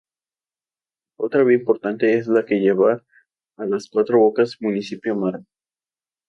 Otra vía importante es la que lleva a Las Cuatro Bocas Municipio Mara.